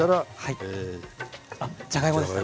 じゃがいもですかね。